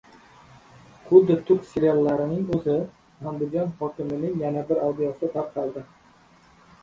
Xuddi turk seriallarining o‘zi: Andijon hokimining yana bir audiosi tarqaldi